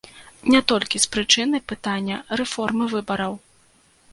Не толькі з прычыны пытання рэформы выбараў.